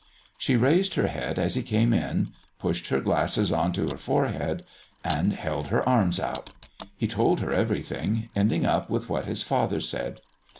She raised her head as he came in, pushed her glasses on to her forehead, and held her arms out. He told her everything, ending up with what his father said.